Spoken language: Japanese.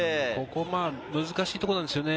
難しいところなんですよね。